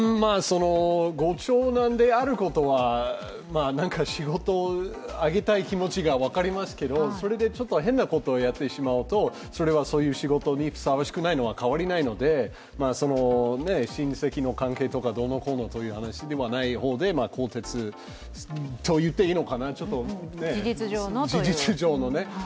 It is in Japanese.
ご長男であることは何か仕事をあげたい気持ちは分かりますけどそれでちょっと変なことをやってしまうと、それはそういう仕事にふさわしくないのは変わりないので親戚の関係とかどうのこうのではない話で更迭といっていいのかな、事実上のね。